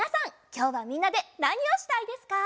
きょうはみんなでなにをしたいですか？